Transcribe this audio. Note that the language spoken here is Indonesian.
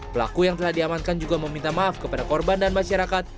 pelaku yang telah diamankan juga meminta maaf kepada korban dan masyarakat